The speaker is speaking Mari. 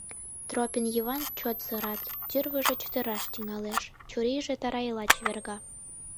Тропин Йыван чот сырат, тӱрвыжӧ чытыраш тӱҥалеш, чурийже тарайла чеверга.